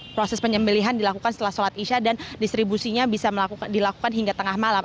proses penyembelihan dilakukan setelah sholat isya dan distribusinya bisa dilakukan hingga tengah malam